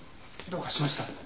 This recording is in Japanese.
どうかしました？